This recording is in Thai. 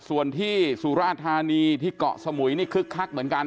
ส่วนที่สุราธานีที่เกาะสมุยนี่คึกคักเหมือนกัน